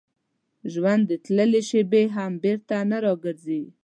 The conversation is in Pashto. ژوند تللې شېبې هم بېرته نه راګرځي.